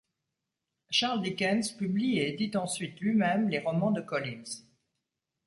Charles Dickens publie et édite ensuite lui-même les romans de Collins.